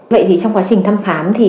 vậy thì trong quá trình thăm khám thì